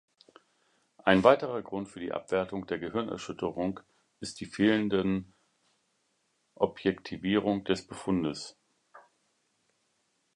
Ein weiterer Grund für die Abwertung der Gehirnerschütterung ist die fehlenden Objektivierung des Befundes.